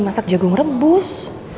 masak jagung rebus